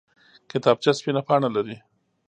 کتابچه سپینه پاڼه لري